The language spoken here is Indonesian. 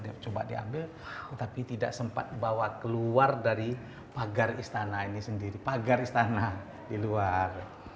dia coba diambil tetapi tidak sempat bawa keluar dari pagar istana ini sendiri pagar istana di luar